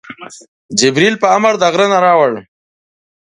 جبریل په امر د غره نه راوړ.